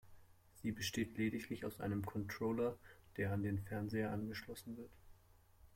Sie besteht lediglich aus einem Controller, der an den Fernseher angeschlossen wird.